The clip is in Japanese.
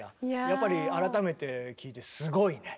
やっぱり改めて聴いてすごいね。